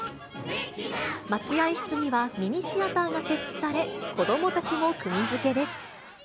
待合室にはミニシアターが設置され、子どもたちもくぎづけです。